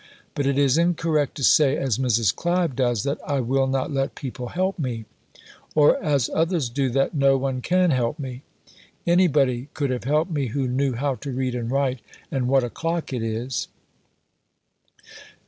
But it is incorrect to say, as Mrs. Clive does, that "I will not let people help me," or, as others do, that "no one can help me." Any body could have helped me who knew how to read and write and what o'clock it is.